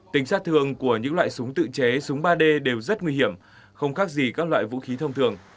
tính sát thường của những loại súng tự chế súng ba d đều rất nguy hiểm không khác gì các loại vũ khí thông thường